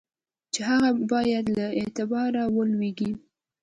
چي هغه باید له اعتباره ولوېږي.